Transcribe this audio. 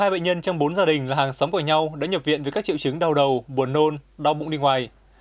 hai bệnh nhân trong bốn gia đình là hàng xóm của nhau đã nhập viện với các triệu chứng đau đầu buồn nôn đau bụng đi ngoài